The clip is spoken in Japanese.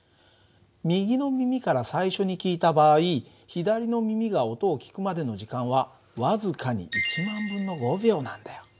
右の耳から最初に聞いた場合左の耳が音を聞くまでの時間は僅かに１万分の５秒なんだよ。